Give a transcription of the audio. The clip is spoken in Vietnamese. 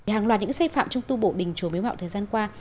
hàng loạt những xây phạm trong tu bộ đình chùa bế mạo thời gian qua